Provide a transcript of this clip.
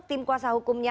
tim kuasa hukumnya